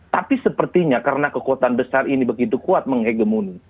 tapi sepertinya karena kekuatan besar ini begitu kuat mengegemuni